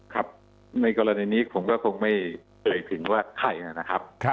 ครับในกฎีนี้ผมก็คงไม่ใดถึงว่าให้